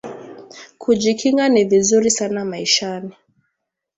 Kuji kinga ni vizuri sana maishani